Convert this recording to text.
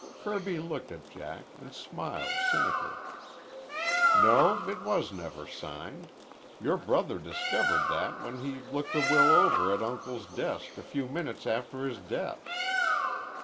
Kirby looked at Jack and smiled cynically. "No, it was never signed. Your brother discovered that when he looked the will over at Uncle's desk a few minutes after his death."